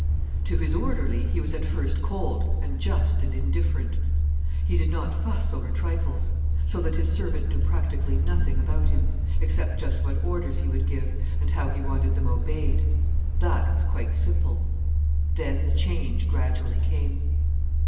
To his orderly he was at first cold and just and indifferent: he did not fuss over trifles. So that his servant knew practically nothing about him, except just what orders he would give, and how he wanted them obeyed. That was quite simple. Then the change gradually came.